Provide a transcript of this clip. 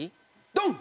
ドン！